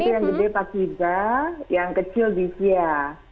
itu yang gede pak tiga yang kecil bisia